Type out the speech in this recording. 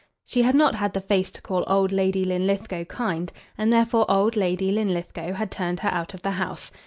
She had not had the face to call old Lady Linlithgow kind, and therefore old Lady Linlithgow had turned her out of the house.